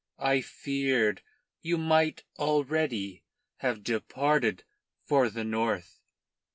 I feared you might already have departed for the north."